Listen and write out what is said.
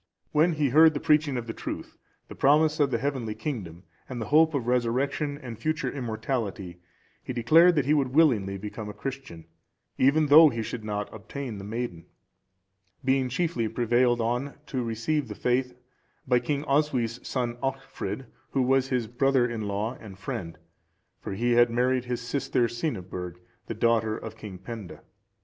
When he heard the preaching of the truth, the promise of the heavenly kingdom, and the hope of resurrection and future immortality, he declared that he would willingly become a Christian, even though he should not obtain the maiden; being chiefly prevailed on to receive the faith by King Oswy's son Alchfrid,(402) who was his brother in law and friend, for he had married his sister Cyneburg,(403) the daughter of King Penda.